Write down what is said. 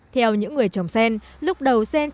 theo những người trồng sen lúc đầu sen chỉ có một chút